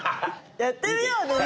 やってみよう！